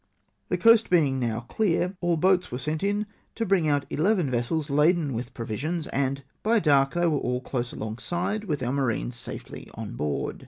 The coast being now clear, aU boats were sent in to bring out eleven vessels laden "with pro\dsions, and by dark they were all close alongside, \\^th our marines safely on board.